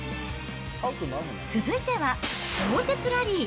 続いては壮絶ラリー。